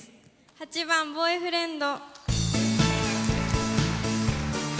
８番「ボーイフレンド」。